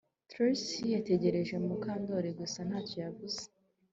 Trix yitegereje Mukandoli gusa ntacyo yavuze